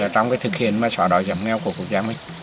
trong cái thực hiện mà xóa đói giảm nghèo của quốc gia mình